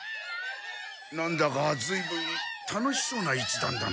なんだかずいぶん楽しそうないちだんだな。